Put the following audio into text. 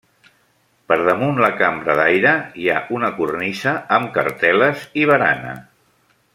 Per damunt la cambra d'aire hi ha una cornisa amb cartel·les i barana.